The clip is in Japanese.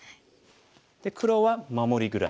黒は守りぐらい。